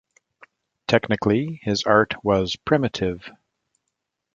Technically his art was primitive.